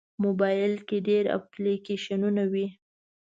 موبایل کې ډېر اپلیکیشنونه وي.